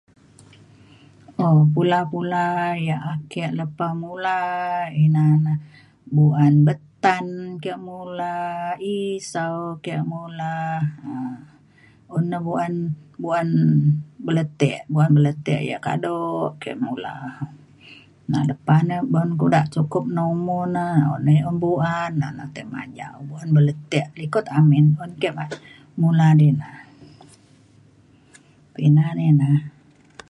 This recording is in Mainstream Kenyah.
um pula pula yak ake lepa mula ina na buak betan ke mula isau ke mula um un nebuen buen beletek buak beletek yak kado ke mula. na lepa na udak sukup nomo ne [unintelligible] be’un mula na na tai majau un beletek likut amin un ke mula di na. ina ne na.